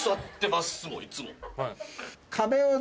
いつも。